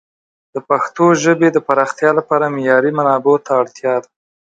د پښتو ژبې د پراختیا لپاره معیاري منابعو ته اړتیا ده.